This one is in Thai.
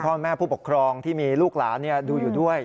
พ่อแม่ผู้ปกครองที่มีลูกหลานดูอยู่ด้วย